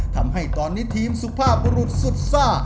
ทำให้ตอนนี้ทีมสุภาพบรุษสุดซ่า